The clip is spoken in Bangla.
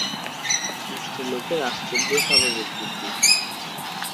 স্ত্রীলোকের আশ্চর্য স্বাভাবিক বুদ্ধি!